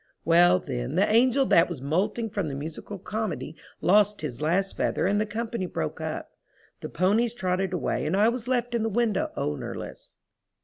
Well, then the angel that was molting for the musical comedy lost his last feather and the company broke up. The ponies trotted away and I was left in the window ownerless.